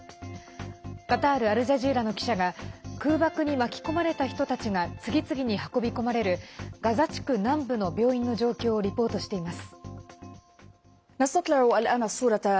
カタール・アルジャジーラの記者が空爆に巻き込まれた人たちが次々に運び込まれるガザ地区南部の病院の状況をリポートしています。